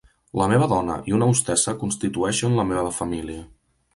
La meva dona i una hostessa constitueixen la meva família.